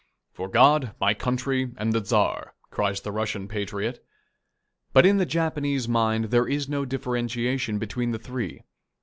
"For God, my country, and the Czar!" cries the Russian patriot; but in the Japanese mind there is no differentiation between the three.